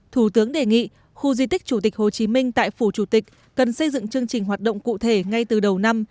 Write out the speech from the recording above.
thủ tướng đề nghị khu di tích chủ tịch hồ chí minh tại phủ chủ tịch cần xây dựng chương trình hoạt động cụ thể ngay từ đầu năm